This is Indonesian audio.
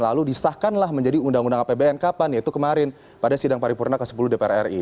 lalu disahkanlah menjadi undang undang apbn kapan yaitu kemarin pada sidang paripurna ke sepuluh dpr ri